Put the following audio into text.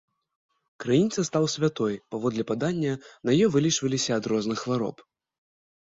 Крыніца стаў святой, паводле падання, на ёй вылечваліся ад розных хвароб.